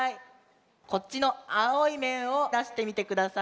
こっちのあおいめんをだしてみてください。